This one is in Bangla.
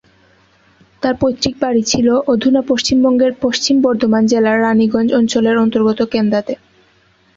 তার পৈতৃক বাড়ি ছিল অধুনা পশ্চিমবঙ্গের পশ্চিম বর্ধমান জেলার রাণীগঞ্জ অঞ্চলের অন্তর্গত কেন্দাতে।